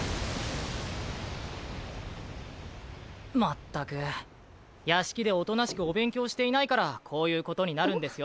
全く屋敷で大人しくお勉強していないからこういうことになるんですよ。